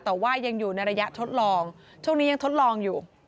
แต่ว่ายังอยู่ในระยะทดลองช่วงนี้ยังทดลองอยู่